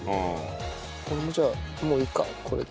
俺もじゃあもういいかこれで。